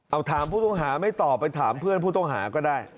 เอาถามผู้ต้องหาไม่ตอบไปถามเพื่อนผู้ต้องหาก็ได้